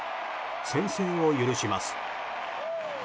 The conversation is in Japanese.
先制を許します。